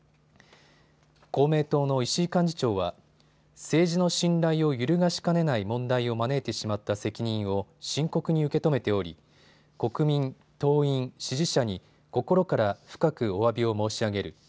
公明党の石井幹事長は政治の信頼を揺るがしかねない問題を招いてしまった責任を深刻に受け止めており国民、党員、支持者に心から深くおわびを申し上げる。